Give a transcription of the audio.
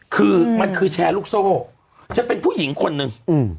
คือมันคือแชร์ลูกโซ่จะเป็นผู้หญิงคนหนึ่ง